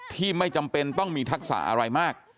ไม่จำเป็นต้องมีทักษะอะไรมาก